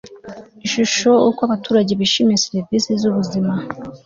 ishusho uko abaturage bishimiye serivisi z ubuzima